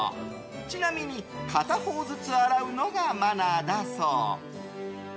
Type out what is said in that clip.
ちなみに片方ずつ洗うのがマナーだそう。